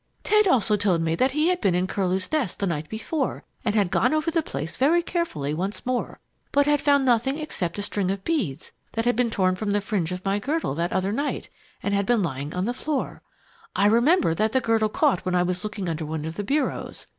Ted also told me that he had been in Curlew's Nest the night before and had gone over the place very carefully once more, but had found nothing except a string of beads that had been torn from the fringe of my girdle that other night, and had been lying on the floor. I remember that the girdle caught when I was looking under one of the bureaus.